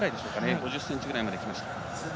５０ｃｍぐらいまできました。